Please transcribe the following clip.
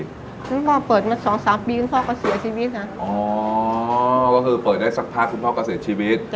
คุณพ่อเปิดมาสองสามปีคุณพ่อก็เสียชีวิตนะอ๋อก็คือเปิดได้สักพักคุณพ่อก็เสียชีวิต